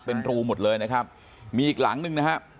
เป็นรูหมดเลยนะครับมีอีกหลังหนึ่งนะครับ